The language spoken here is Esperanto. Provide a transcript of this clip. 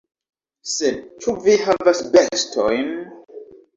Sed, ĉu vi havas bestojn?